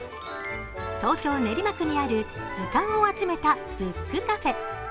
東京・練馬区にある図鑑を集めたブックカフェ。